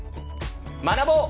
学ぼう！